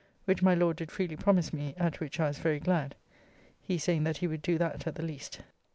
Which my Lord did freely promise me, at which I was very glad, he saying that he would do that at the least.